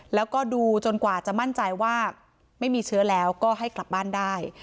แล้วก็ดูจนกว่าจะมั่นใจว่าไม่มีเชื้อแล้วก็ให้กลับบ้านได้